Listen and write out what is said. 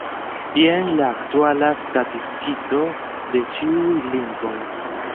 Jen la aktuala statistiko de ĉiuj lingvoj.